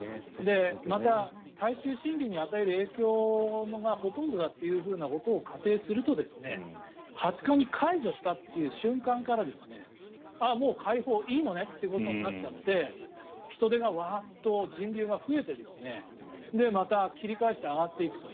また、大衆心理に与える影響がほとんどだということを仮定すると２０日に解除した瞬間からもう解放、いいのねということになっちゃって人出がワッと人流が増えちゃってまた切り返して上がっていくと。